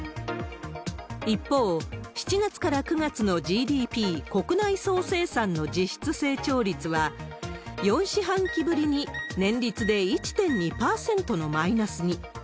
一方、７月から９月のＧＤＰ・国内総生産の実質成長率は、４四半期ぶりに年率で１．２％のマイナスに。